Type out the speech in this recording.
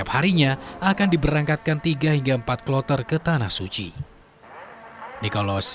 harinya akan diberangkatkan tiga hingga empat kloter ke tanah suci nicolos